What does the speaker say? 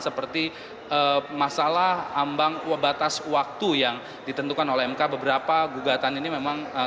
seperti masalah ambang batas waktu yang ditentukan oleh mk beberapa gugatan ini memang